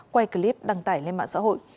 quay clip đăng tải lên mạng xã hội